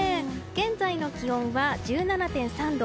現在の気温は１７．３度。